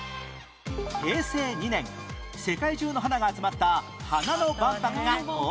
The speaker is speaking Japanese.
平成２年世界中の花が集まった花の万博が大阪で開催